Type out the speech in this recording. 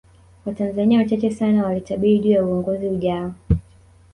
Watanzania wachache sana walitabiri juu ya uongozi ujayo